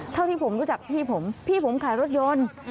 เท่าที่ผมรู้จักพี่ผมพี่ผมขายรถยนต์